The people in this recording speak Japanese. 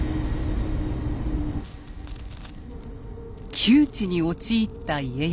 窮地に陥った家康。